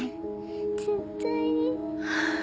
絶対に？